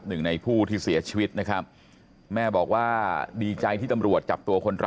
หนึ่งในผู้ที่เสียชีวิตนะครับ